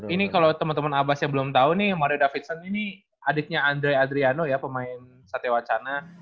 ini kalau teman teman abbas yang belum tahu nih mario davidson ini adiknya andre adriano ya pemain sate wacana